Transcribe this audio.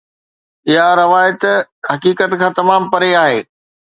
اها روايت حقيقت کان تمام پري آهي.